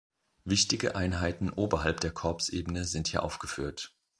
Wichtige Einheiten oberhalb der Korpsebene sind hier aufgeführt.